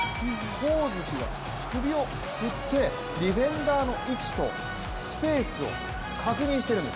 上月は首を振ってディフェンダーの位置とスペースを確認しているんです。